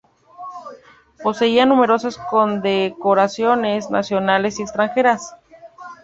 Poseía numerosas condecoraciones nacionales y extranjeras.